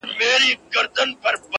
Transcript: چي خوشحال په زړه زخمي ورڅخه ولاړی-